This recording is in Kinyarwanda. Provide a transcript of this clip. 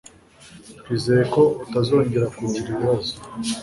Twizeye ko utazongera kugira ibibazo